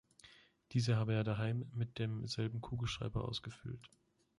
Diese habe er daheim „mit demselben Kugelschreiber“ ausgefüllt.